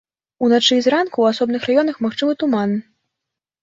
Уначы і зранку ў асобных раёнах магчымы туман.